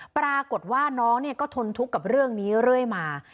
ปรากฏว่าน้องก็ทนทุกข์กับเรื่องนี้เรื่อยมา